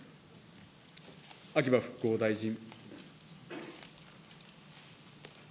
秋葉復興大臣。